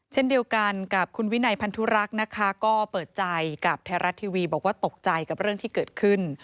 เช่นเดียวกันกับคุณวินัยพันธุรักษ์นะคะก็เปิดใจกับไทยรัฐทีวีบอกว่าตกใจกับเรื่องที่เกิดขึ้น